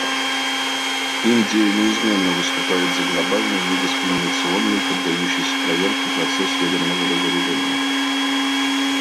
Индия неизменно выступает за глобальный, недискриминационный, поддающийся проверке процесс ядерного разоружения.